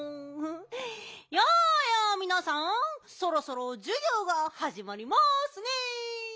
やあやあみなさんそろそろじゅぎょうがはじまりますねえ。